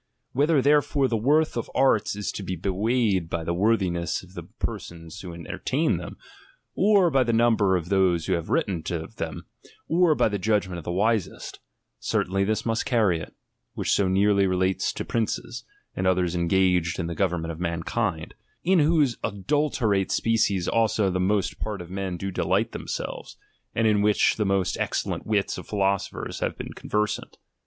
Whether therefore the worth of arts is to be weighed l)y the worthiness of the persons who en ^ TO THK READER. XI Certain them, or by the number of those who have written of them, or by the judgment of the wisest ; certainly this must carry it, which so nearly re lates to princes, and others engaged in the govern ment of mankind ; in whose adulterate species also ^the most part of men do delight themselves, and in which the most excellent wits of philosophers have been conversant.